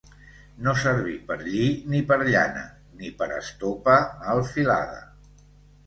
No servir per lli, ni per llana, ni per estopa mal filada.